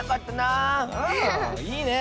あいいね。